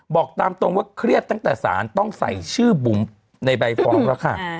บอกตามตรงว่าเครียดตั้งแต่สารต้องใส่ชื่อบุ๋มในใบฟ้องแล้วค่ะ